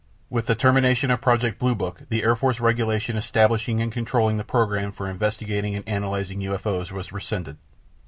With the termination of Project Blue Book, the Air Force regulation establishing and controlling the program for investigating and analyzing UFOs was rescinded.